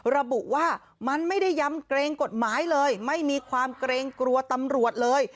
ระบุว่ามันไม่ได้ย้ำเกรงกฎหมายเลยไม่มีความเกรงกลัวตำรวจเลย